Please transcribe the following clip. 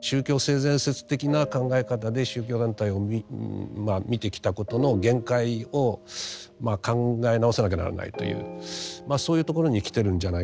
宗教性善説的な考え方で宗教団体をまあ見てきたことの限界を考え直さなきゃならないというそういうところに来てるんじゃないかな。